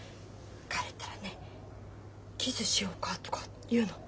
彼ったらねキスしようかとか言うの。